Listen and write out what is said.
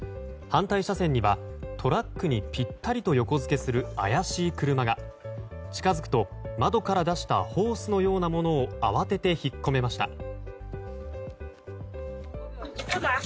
反対車線にはトラックにぴったりと横付けする怪しい車が近づくと窓から出したホースのようなものを慌てて引っ込めました。